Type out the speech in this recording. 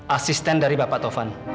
asisten dari bapak taufan